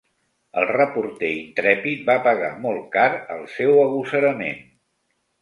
El reporter intrèpid va pagar molt car el seu agosarament.